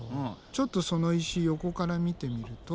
ちょっとその石横から見てみると。